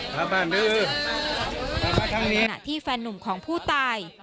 หลังที่แฟนนุ่มของผู้ตาย